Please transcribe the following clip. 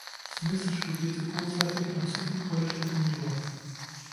Smith studierte kurzzeitig am City College of New York.